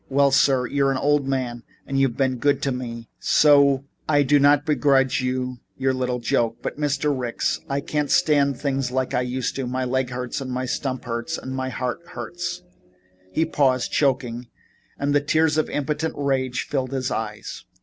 "Well, sir, you're an old man and you've been good to me, so I do not begrudge you your little joke, but Mr. Ricks, I can't stand things like I used to. My leg hurts and my stump hurts and my heart hurts " He paused, choking, and the tears of impotent rage filled his eyes.